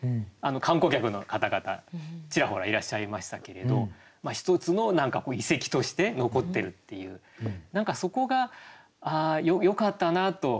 観光客の方々ちらほらいらっしゃいましたけれど一つの何かこう遺跡として残ってるっていう何かそこがよかったなと。